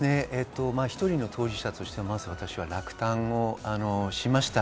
１人の当事者として落胆をしました。